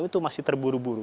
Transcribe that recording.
itu masih terburu buru